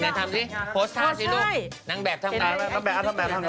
นี่ทำสิโพสธ่าสิลูก